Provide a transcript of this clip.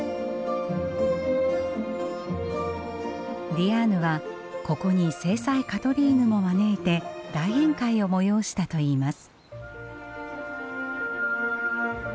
ディアーヌはここに正妻カトリーヌも招いて大宴会を催したといいます。